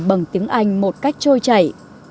bằng tiếng anh một cách trôi chảy